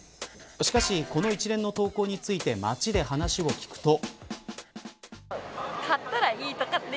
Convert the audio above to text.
しかし、この一連の投稿について街で話を聞くと。